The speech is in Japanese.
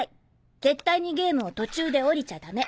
絶対にゲームを途中で降りちゃダメ。